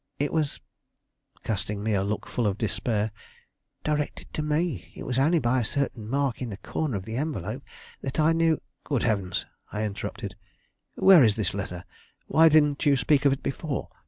It was" casting me a look full of despair, "directed to me. It was only by a certain mark in the corner of the envelope that I knew " "Good heaven!" I interrupted; "where is this letter? Why didn't you speak of it before?